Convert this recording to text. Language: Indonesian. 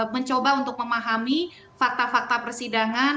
mencoba untuk memahami fakta fakta persidangan